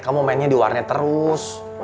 kamu mainnya di warnet terus